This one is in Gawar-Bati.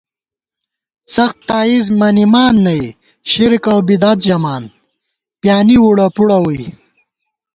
څخت تائیزہ منِمان نئ ، شرک اؤبدعت ژَمان ، پیانِی وُڑہ پُڑہ ووئی